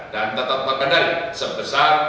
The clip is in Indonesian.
dan tetap mengendalikan sebesar